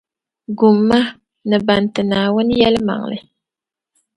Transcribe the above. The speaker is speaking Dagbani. Gum ma, ni ban ti Naawuni yɛlimaŋli.